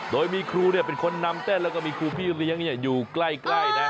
โดยมีครูเป็นคนนำเต้นแล้วก็มีครูพี่เลี้ยงอยู่ใกล้นะ